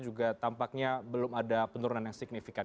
juga tampaknya belum ada penurunan yang signifikan